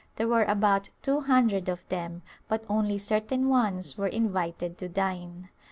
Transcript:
There were about two hundred of them but only certain ones were invited to dine.